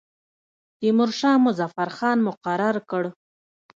تیمورشاه مظفر خان مقرر کړ.